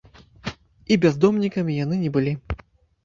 І бяздомнікамі яны не былі.